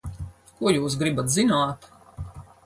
Ko jūs gribat zināt?